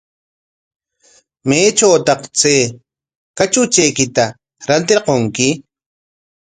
¿Maytrawtaq chay kachuchaykita rantirqunki?